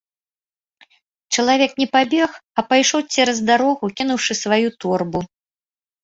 Чалавек не пабег, а пайшоў цераз дарогу, кінуўшы сваю торбу.